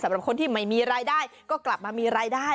สำหรับคนที่ไม่มีรายได้ก็กลับมามีรายได้